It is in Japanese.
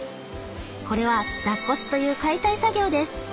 これは脱骨という解体作業です。